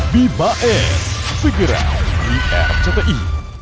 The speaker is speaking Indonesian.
bibae segera di rti